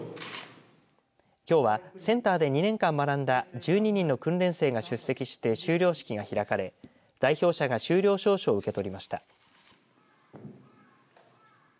きょうはセンターで２年間学んだ１２人の訓練生が出席して修了式が開かれ代表者が修了証書を受け取りました。